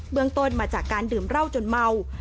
เมืองต้นมาจากการดื่มเหล้าจนเมา